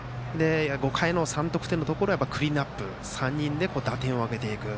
５回の３得点のところはクリーンナップ３人で打点を挙げていく。